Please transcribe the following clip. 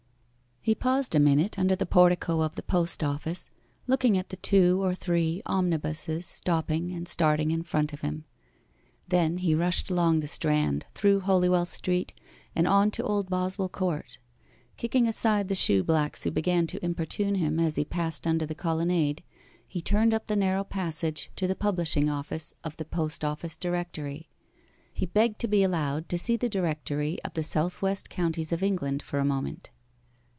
He paused a minute under the portico of the post office, looking at the two or three omnibuses stopping and starting in front of him. Then he rushed along the Strand, through Holywell Street, and on to Old Boswell Court. Kicking aside the shoeblacks who began to importune him as he passed under the colonnade, he turned up the narrow passage to the publishing office of the Post Office Directory. He begged to be allowed to see the Directory of the south west counties of England for a moment.